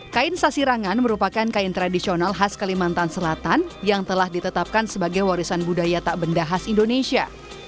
kain sasirangan merupakan kain tradisional khas kalimantan selatan yang telah ditetapkan sebagai warisan budaya tak benda khas indonesia